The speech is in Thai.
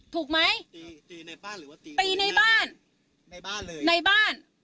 ถูกไหมตีตีในบ้านหรือว่าตีตีในบ้านในบ้านเลยในบ้าน